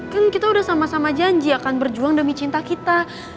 kan kita udah sama sama janji akan berjuang demi cinta kita